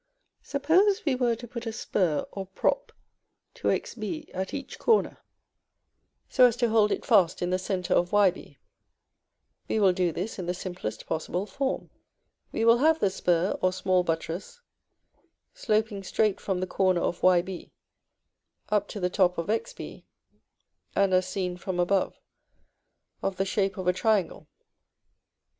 Suppose we were to put a spur or prop to Xb at each corner, so as to hold it fast in the centre of Yb. We will do this in the simplest possible form. We will have the spur, or small buttress, sloping straight from the corner of Yb up to the top of Xb, and as seen from above, of the shape of a triangle.